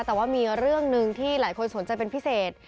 แต่ว่ามีเรื่องหนึ่งที่หลายคนสนใจเป็นพิเศษ